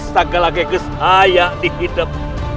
sagala kekesayak dihidup